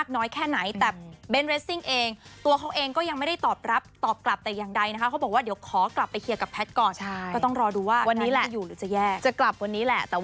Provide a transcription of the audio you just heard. จะกลับวันนี้แหละแต่ว่าคนที่เป็นข่าวเนี่ยไม่ใช่นะ